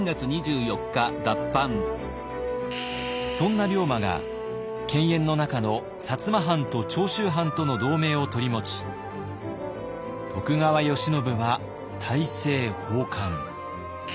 そんな龍馬が犬猿の仲の摩藩と長州藩との同盟を取り持ち徳川慶喜は大政奉還。